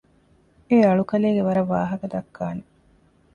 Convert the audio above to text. އެ އަޅުކަލޭގެ ވަރަށް ވާހަކަ ދައްކާނެ